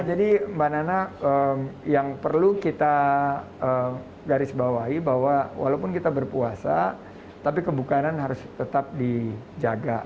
jadi mbak nana yang perlu kita garis bawahi bahwa walaupun kita berpuasa tapi kebukaran harus tetap dijaga